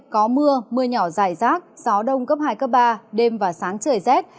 có mưa mưa nhỏ dài rác gió đông cấp hai cấp ba đêm và sáng trời rét